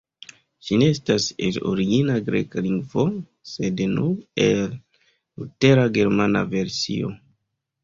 Ĝi ne estas el origina greka lingvo, sed nur el Lutera germana versio.